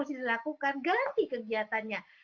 harus dilakukan ganti kegiatannya